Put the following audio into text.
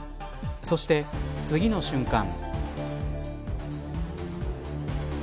そして次の瞬間。